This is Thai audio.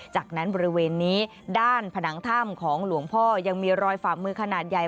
จากนั้นบริเวณนี้ด้านผนังถ้ำของหลวงพ่อยังมีรอยฝ่ามือขนาดใหญ่